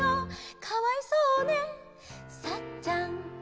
「かわいそうねサッちゃん」